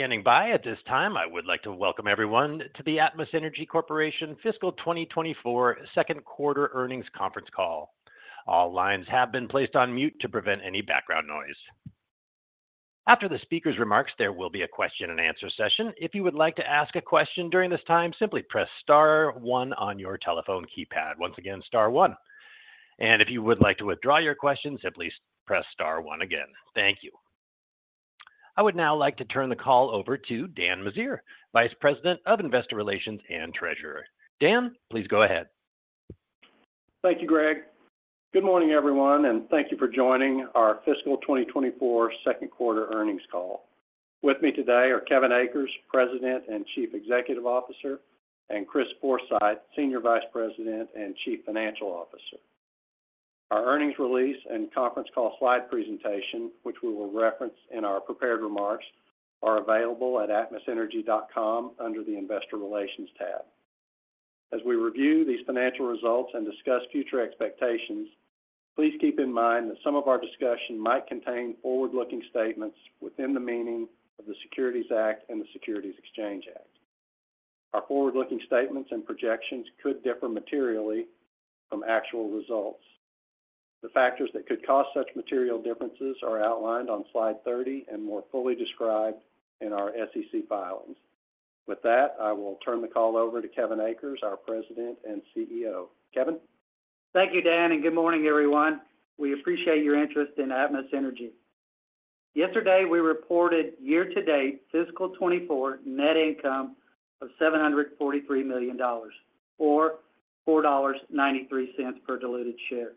Thank you for standing by. At this time, I would like to welcome everyone to the Atmos Energy Corporation fiscal 2024 second quarter earnings conference call. All lines have been placed on mute to prevent any background noise. After the speaker's remarks, there will be a question and answer session. If you would like to ask a question during this time, simply press star one on your telephone keypad. Once again, star one. If you would like to withdraw your question, simply press star one again. Thank you. I would now like to turn the call over to Dan Meziere, Vice President of Investor Relations and Treasurer. Dan, please go ahead. Thank you, Greg. Good morning, everyone, and thank you for joining our fiscal 2024 second quarter earnings call. With me today are Kevin Akers, President and Chief Executive Officer, and Chris Forsythe, Senior Vice President and Chief Financial Officer. Our earnings release and conference call slide presentation, which we will reference in our prepared remarks, are available at atmosenergy.com under the Investor Relations tab. As we review these financial results and discuss future expectations, please keep in mind that some of our discussion might contain forward-looking statements within the meaning of the Securities Act and the Securities Exchange Act. Our forward-looking statements and projections could differ materially from actual results. The factors that could cause such material differences are outlined on slide 30 and more fully described in our SEC filings. With that, I will turn the call over to Kevin Akers, our President and CEO. Kevin? Thank you, Dan, and good morning, everyone. We appreciate your interest in Atmos Energy. Yesterday, we reported year-to-date fiscal 2024 net income of $743 million, or $4.93 per diluted share,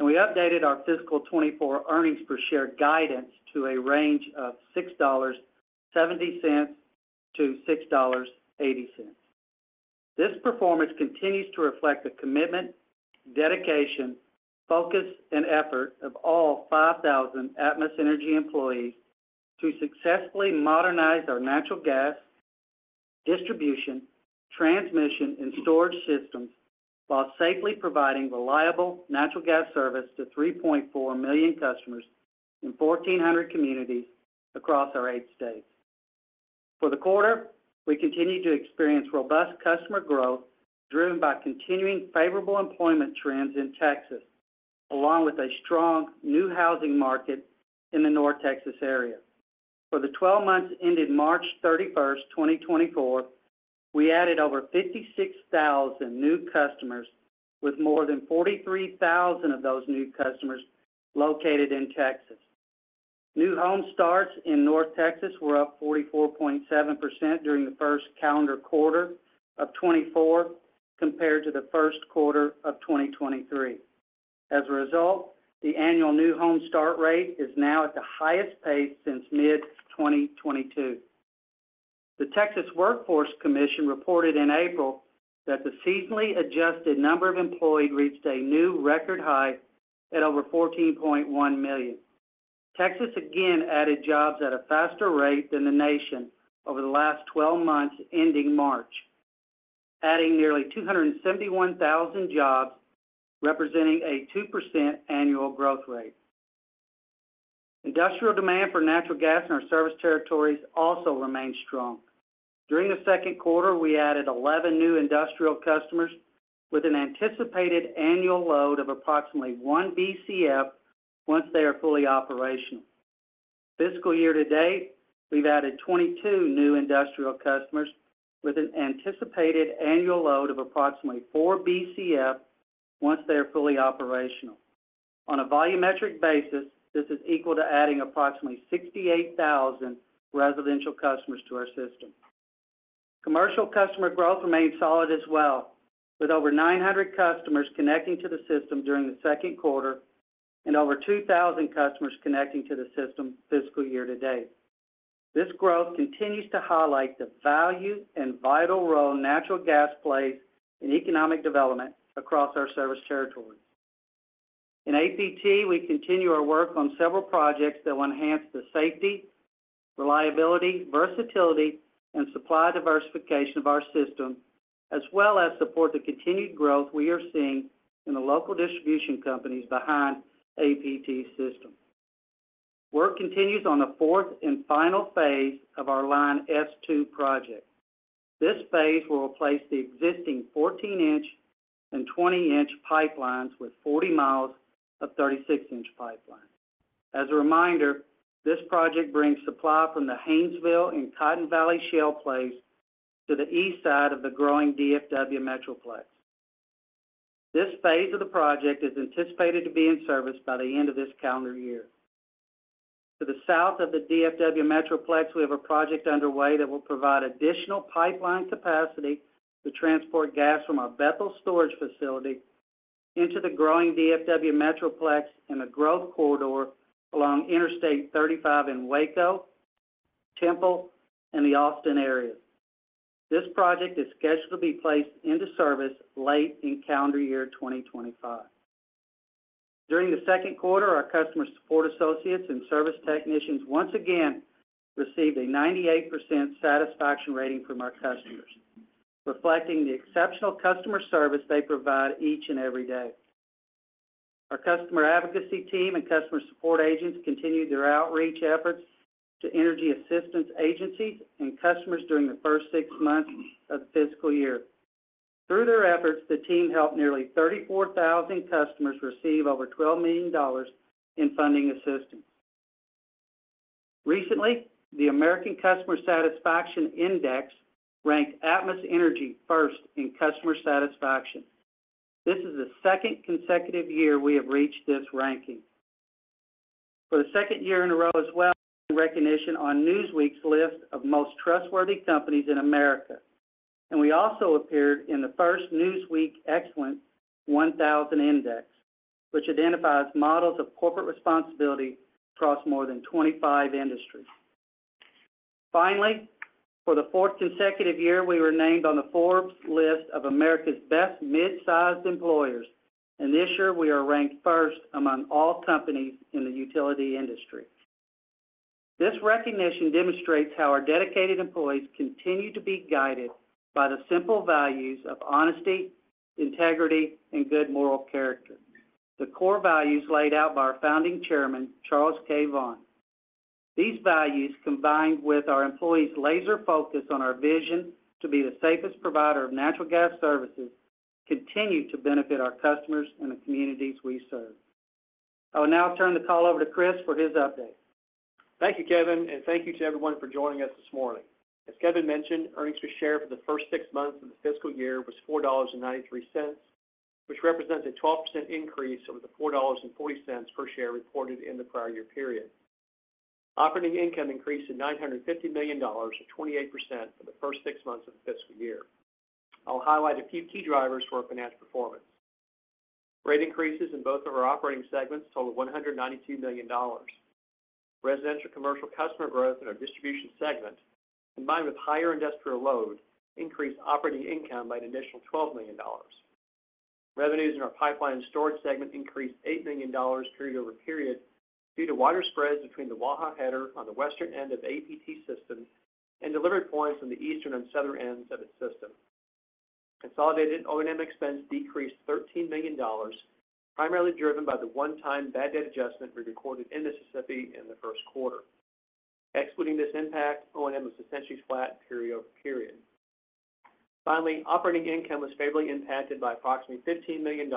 and we updated our fiscal 2024 earnings per share guidance to a range of $6.70-$6.80. This performance continues to reflect the commitment, dedication, focus, and effort of all 5,000 Atmos Energy employees to successfully modernize our natural gas distribution, transmission, and storage systems while safely providing reliable natural gas service to 3.4 million customers in 1,400 communities across our eight states. For the quarter, we continued to experience robust customer growth, driven by continuing favorable employment trends in Texas, along with a strong new housing market in the North Texas area. For the twelve months ended March 31, 2024, we added over 56,000 new customers, with more than 43,000 of those new customers located in Texas. New home starts in North Texas were up 44.7% during the first calendar quarter of 2024, compared to the first quarter of 2023. As a result, the annual new home start rate is now at the highest pace since mid-2022. The Texas Workforce Commission reported in April that the seasonally adjusted number of employed reached a new record high at over 14.1 million. Texas again added jobs at a faster rate than the nation over the last twelve months, ending March, adding nearly 271,000 jobs, representing a 2% annual growth rate. Industrial demand for natural gas in our service territories also remained strong. During the second quarter, we added 11 new industrial customers with an anticipated annual load of approximately 1 BCF once they are fully operational. Fiscal year to date, we've added 22 new industrial customers with an anticipated annual load of approximately 4 BCF once they are fully operational. On a volumetric basis, this is equal to adding approximately 68,000 residential customers to our system. Commercial customer growth remained solid as well, with over 900 customers connecting to the system during the second quarter and over 2,000 customers connecting to the system fiscal year to date. This growth continues to highlight the value and vital role natural gas plays in economic development across our service territory. In APT, we continue our work on several projects that will enhance the safety, reliability, versatility, and supply diversification of our system, as well as support the continued growth we are seeing in the local distribution companies behind APT system. Work continues on the fourth and final phase of our Line S-2 project. This phase will replace the existing 14-inch and 20-inch pipelines with 40 miles of 36-inch pipeline. As a reminder, this project brings supply from the Haynesville and Cotton Valley Shale plays to the east side of the growing DFW Metroplex. This phase of the project is anticipated to be in service by the end of this calendar year. To the south of the DFW Metroplex, we have a project underway that will provide additional pipeline capacity to transport gas from our Bethel storage facility into the growing DFW Metroplex and the growth corridor along Interstate 35 in Waco, Temple, and the Austin area. This project is scheduled to be placed into service late in calendar year 2025. During the second quarter, our customer support associates and service technicians once again received a 98% satisfaction rating from our customers, reflecting the exceptional customer service they provide each and every day.... Our customer advocacy team and customer support agents continued their outreach efforts to energy assistance agencies and customers during the first six months of the fiscal year. Through their efforts, the team helped nearly 34,000 customers receive over $12 million in funding assistance. Recently, the American Customer Satisfaction Index ranked Atmos Energy first in customer satisfaction. This is the second consecutive year we have reached this ranking. For the second year in a row as well, recognition on Newsweek's list of Most Trustworthy Companies in America, and we also appeared in the first Newsweek Excellence 1000 Index, which identifies models of corporate responsibility across more than 25 industries. Finally, for the fourth consecutive year, we were named on the Forbes list of America's Best Midsize Employers, and this year we are ranked first among all companies in the utility industry. This recognition demonstrates how our dedicated employees continue to be guided by the simple values of honesty, integrity, and good moral character. The core values laid out by our founding chairman, Charles K. Vaughan. These values, combined with our employees' laser focus on our vision to be the safest provider of natural gas services, continue to benefit our customers and the communities we serve. I will now turn the call over to Chris for his update. Thank you, Kevin, and thank you to everyone for joining us this morning. As Kevin mentioned, earnings per share for the first six months of the fiscal year was $4.93, which represents a 12% increase over the $4.40 per share reported in the prior year period. Operating income increased to $950 million, or 28%, for the first six months of the fiscal year. I'll highlight a few key drivers for our financial performance. Rate increases in both of our operating segments totaled $192 million. Residential commercial customer growth in our distribution segment, combined with higher industrial load, increased operating income by an additional $12 million. Revenues in our pipeline and storage segment increased $8 million period-over-period due to wider spreads between the Waha header on the western end of the APT system and delivery points on the eastern and southern ends of its system. Consolidated O&M expense decreased $13 million, primarily driven by the one-time bad debt adjustment we recorded in Mississippi in the first quarter. Excluding this impact, O&M was essentially flat period-over-period. Finally, operating income was favorably impacted by approximately $15 million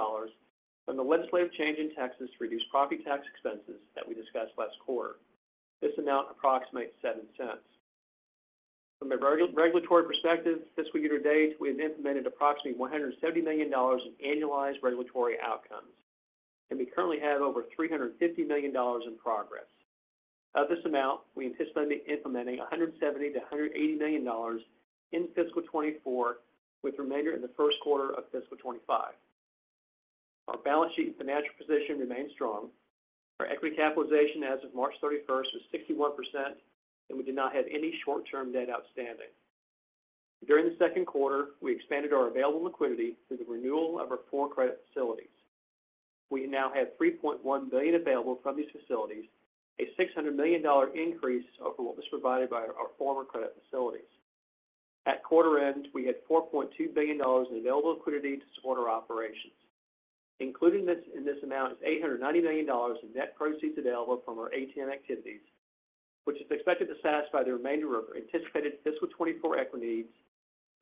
from the legislative change in Texas to reduce property tax expenses that we discussed last quarter. This amount approximates $0.07. From a regulatory perspective, this fiscal year to date, we have implemented approximately $170 million in annualized regulatory outcomes, and we currently have over $350 million in progress. Of this amount, we anticipate implementing $170 million-$180 million in fiscal 2024, with the remainder in the first quarter of fiscal 2025. Our balance sheet and financial position remain strong. Our equity capitalization as of March 31st was 61%, and we did not have any short-term debt outstanding. During the second quarter, we expanded our available liquidity through the renewal of our four credit facilities. We now have $3.1 billion available from these facilities, a $600 million increase over what was provided by our former credit facilities. At quarter end, we had $4.2 billion in available liquidity to support our operations. Including this, in this amount, is $890 million in net proceeds available from our ATM activities, which is expected to satisfy the remainder of our anticipated fiscal 2024 equity needs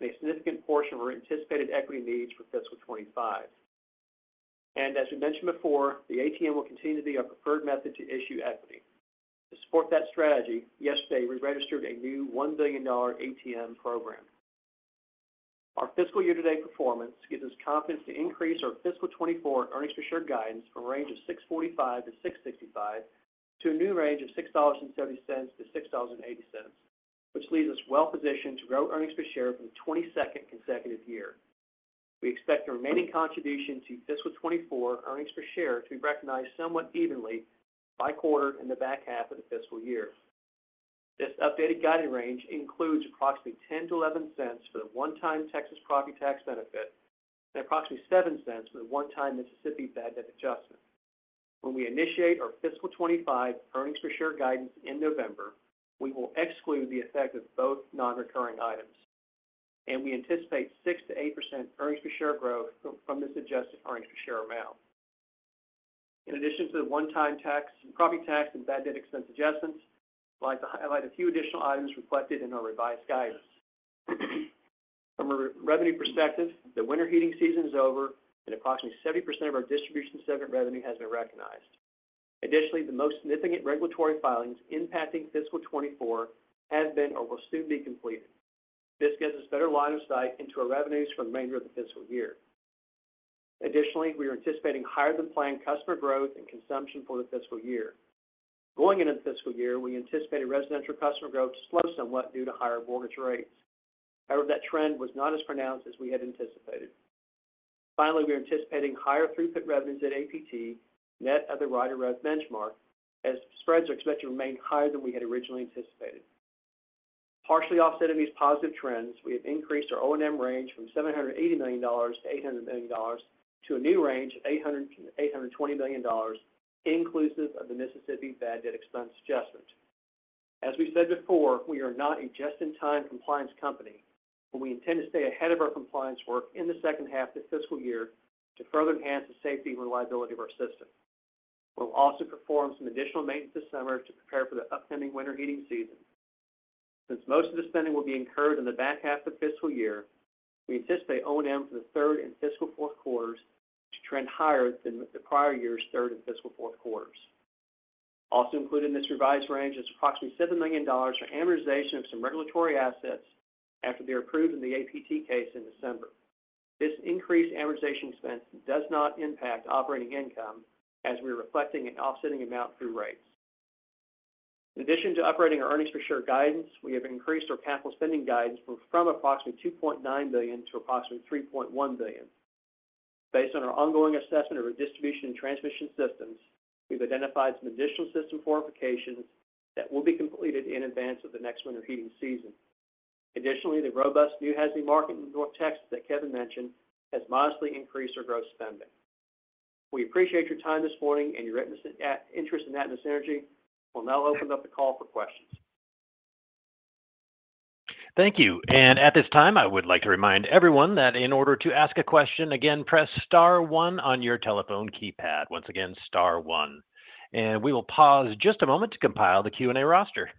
and a significant portion of our anticipated equity needs for fiscal 2025. As we mentioned before, the ATM will continue to be our preferred method to issue equity. To support that strategy, yesterday, we registered a new $1 billion ATM program. Our fiscal year-to-date performance gives us confidence to increase our fiscal 2024 earnings per share guidance from a range of $6.45-$6.65 to a new range of $6.70-$6.80, which leaves us well positioned to grow earnings per share for the 22nd consecutive year. We expect the remaining contribution to fiscal 2024 earnings per share to be recognized somewhat evenly by quarter in the back half of the fiscal year. This updated guidance range includes approximately $0.10-$0.11 for the one-time Texas property tax benefit and approximately $0.07 for the one-time Mississippi bad debt adjustment. When we initiate our fiscal 2025 earnings per share guidance in November, we will exclude the effect of both non-recurring items, and we anticipate 6%-8% earnings per share growth from this adjusted earnings per share amount. In addition to the one-time tax, property tax, and bad debt expense adjustments, I'd like to highlight a few additional items reflected in our revised guidance. From a revenue perspective, the winter heating season is over, and approximately 70% of our distribution segment revenue has been recognized. Additionally, the most significant regulatory filings impacting Fiscal 2024 has been or will soon be completed. This gives us better line of sight into our revenues for the remainder of the fiscal year. Additionally, we are anticipating higher-than-planned customer growth and consumption for the fiscal year. Going into the fiscal year, we anticipated residential customer growth to slow somewhat due to higher mortgage rates. However, that trend was not as pronounced as we had anticipated. Finally, we are anticipating higher throughput revenues at APT, net of the Rider REV benchmark, as spreads are expected to remain higher than we had originally anticipated. Partially offsetting these positive trends, we have increased our O&M range from $780 million-$800 million to a new range of $800-$820 million, inclusive of the Mississippi bad debt expense adjustment. As we said before, we are not a just-in-time compliance company, but we intend to stay ahead of our compliance work in the second half of this fiscal year to further enhance the safety and reliability of our system. We'll also perform some additional maintenance this summer to prepare for the upcoming winter heating season. Since most of the spending will be incurred in the back half of the fiscal year, we anticipate O&M for the third and fiscal fourth quarters to trend higher than the prior year's third and fiscal fourth quarters. Also included in this revised range is approximately $7 million for amortization of some regulatory assets after they were approved in the APT case in December. This increased amortization expense does not impact operating income, as we are reflecting an offsetting amount through rates. In addition to operating our earnings per share guidance, we have increased our capital spending guidance from approximately $2.9 billion to approximately $3.1 billion. Based on our ongoing assessment of our distribution and transmission systems, we've identified some additional system fortifications that will be completed in advance of the next winter heating season. Additionally, the robust new housing market in North Texas that Kevin mentioned has modestly increased our gross spending. We appreciate your time this morning and your interest in Atmos Energy. We'll now open up the call for questions. Thank you. And at this time, I would like to remind everyone that in order to ask a question, again, press star one on your telephone keypad. Once again, star one. And we will pause just a moment to compile the Q&A roster.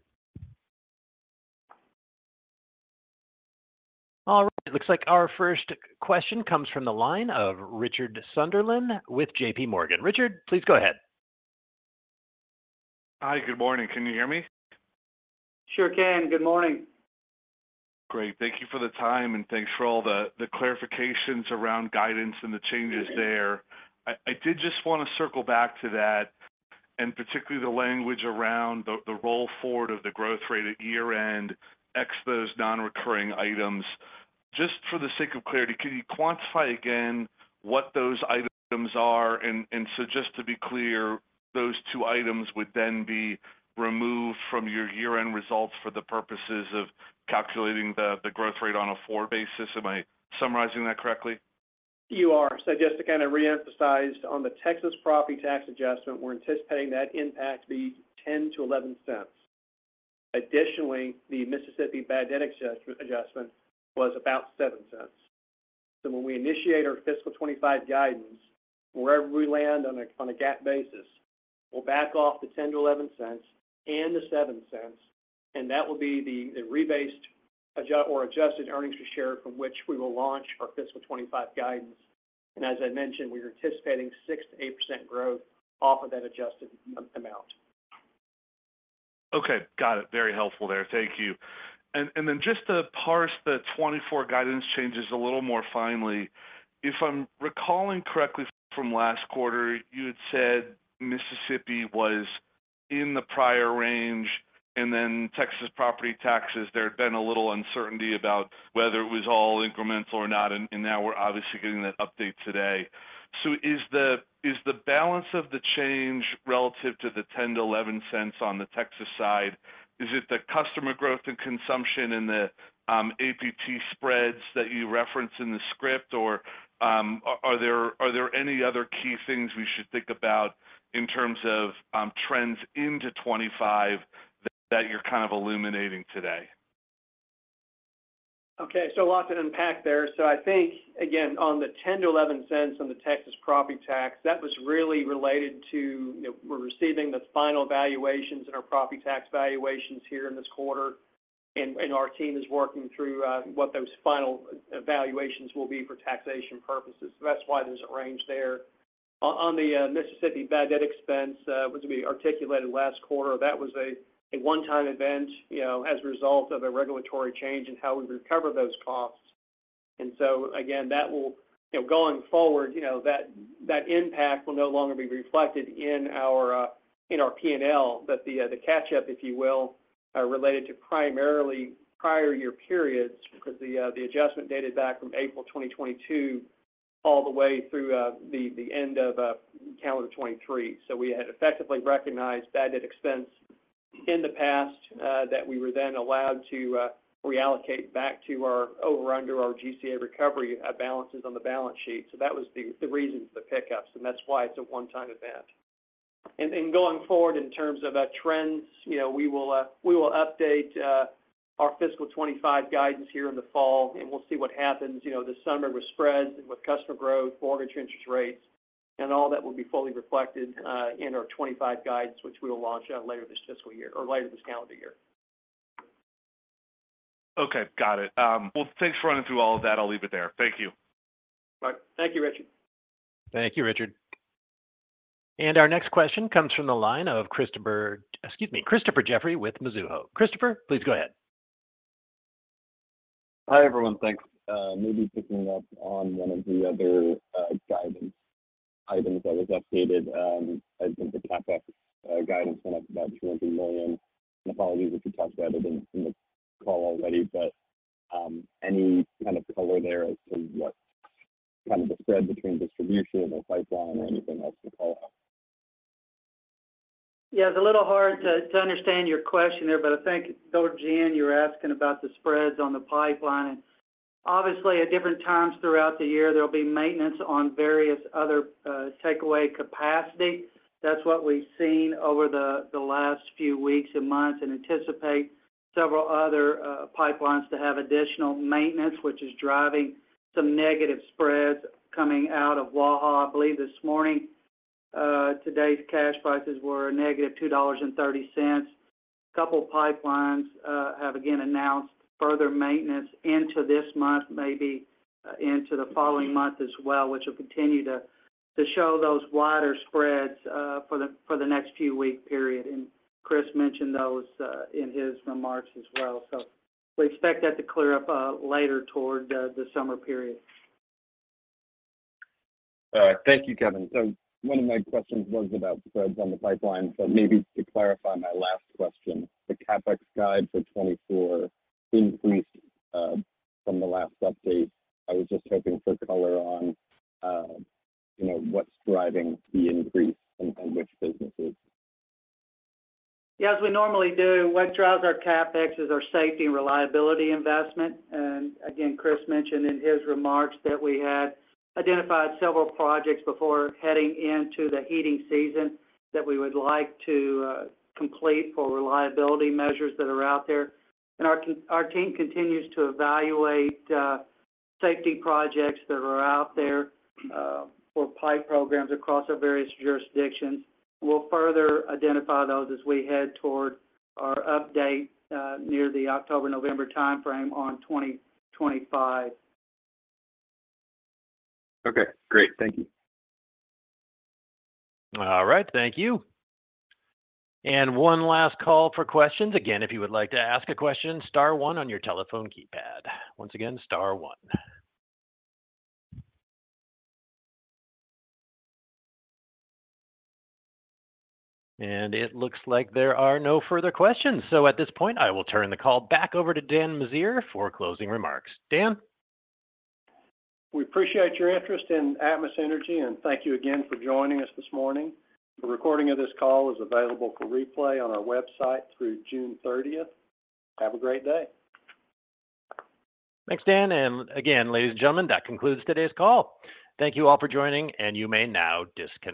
All right. It looks like our first question comes from the line of Richard Sunderland with JPMorgan. Richard, please go ahead. Hi, good morning. Can you hear me? Sure can. Good morning. Great. Thank you for the time, and thanks for all the, the clarifications around guidance and the changes there. I, I did just want to circle back to that, and particularly the language around the, the roll forward of the growth rate at year-end, ex those non-recurring items. Just for the sake of clarity, can you quantify again what those items are? And, and so just to be clear, those two items would then be removed from your year-end results for the purposes of calculating the, the growth rate on a forward basis. Am I summarizing that correctly? You are. So just to kind of reemphasize on the Texas property tax adjustment, we're anticipating that impact to be $0.10-$0.11. Additionally, the Mississippi bad debt adjustment was about $0.07. So when we initiate our fiscal 2025 guidance, wherever we land on a GAAP basis, we'll back off the $0.10-$0.11 and the $0.07, and that will be the rebased adjusted earnings per share from which we will launch our fiscal 2025 guidance. And as I mentioned, we are anticipating 6%-8% growth off of that adjusted amount. Okay, got it. Very helpful there. Thank you. Then just to parse the 2024 guidance changes a little more finely, if I'm recalling correctly from last quarter, you had said Mississippi was in the prior range, and then Texas property taxes, there had been a little uncertainty about whether it was all incremental or not, and now we're obviously getting that update today. So is the balance of the change relative to the $0.10-$0.11 on the Texas side, is it the customer growth and consumption in the APT spreads that you referenced in the script? Or, are there any other key things we should think about in terms of trends into 2025 that you're kind of illuminating today? Okay, so a lot to unpack there. I think, again, on the $0.10-$0.11 on the Texas property tax, that was really related to, you know, we're receiving the final valuations in our property tax valuations here in this quarter, and our team is working through what those final valuations will be for taxation purposes. So that's why there's a range there. On the Mississippi bad debt expense, which we articulated last quarter, that was a one-time event, you know, as a result of a regulatory change in how we recover those costs. And so again, that will... You know, going forward, you know, that impact will no longer be reflected in our P&L. But the catch-up, if you will, related to primarily prior year periods, because the adjustment dated back from April 2022, all the way through the end of calendar 2023. So we had effectively recognized bad debt expense in the past that we were then allowed to reallocate back to our over under our GCA recovery balances on the balance sheet. So that was the reason for the pickups, and that's why it's a one-time event. And going forward, in terms of trends, you know, we will update our fiscal 2025 guidance here in the fall, and we'll see what happens. You know, this summer with spreads and with customer growth, mortgage interest rates, and all that will be fully reflected in our 2025 guidance, which we will launch later this fiscal year or later this calendar year. Okay, got it. Well, thanks for running through all of that. I'll leave it there. Thank you. Bye. Thank you, Richard. Thank you, Richard. Our next question comes from the line of Christopher, excuse me, Christopher Jeffery with Mizuho. Christopher, please go ahead. Hi, everyone. Thanks. Maybe picking up on one of the other guidance items that was updated, I think the CapEx guidance went up about $200 million. I apologize if you talked about it in the call already, but, any kind of color there as to what kind of the spread between distribution or pipeline or anything else you call out? Yeah, it's a little hard to understand your question there, but I think, based on, you're asking about the spreads on the pipeline and- ...Obviously, at different times throughout the year, there'll be maintenance on various other takeaway capacity. That's what we've seen over the last few weeks and months, and anticipate several other pipelines to have additional maintenance, which is driving some negative spreads coming out of Waha. I believe this morning, today's cash prices were -$2.30. A couple pipelines have again announced further maintenance into this month, maybe into the following month as well, which will continue to show those wider spreads for the next few week period. And Chris mentioned those in his remarks as well. So we expect that to clear up later toward the summer period. All right. Thank you, Kevin. So one of my questions was about spreads on the pipeline, so maybe to clarify my last question. The CapEx guide for 2024 increased from the last update. I was just hoping for color on, you know, what's driving the increase in which businesses? Yeah, as we normally do, what drives our CapEx is our safety and reliability investment. And again, Chris mentioned in his remarks that we had identified several projects before heading into the heating season that we would like to complete for reliability measures that are out there. And our team continues to evaluate safety projects that are out there for pipe programs across our various jurisdictions. We'll further identify those as we head toward our update near the October-November timeframe on 2025. Okay, great. Thank you. All right, thank you. And one last call for questions. Again, if you would like to ask a question, star one on your telephone keypad. Once again, star one. And it looks like there are no further questions. So at this point, I will turn the call back over to Dan Meziere for closing remarks. Dan? We appreciate your interest in Atmos Energy, and thank you again for joining us this morning. A recording of this call is available for replay on our website through June thirtieth. Have a great day. Thanks, Dan. Again, ladies and gentlemen, that concludes today's call. Thank you all for joining, and you may now disconnect.